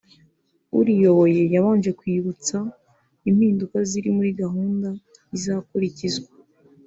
uriyoboye yabanje kwibutsa impinduka ziri muri gahunda izakurikizwa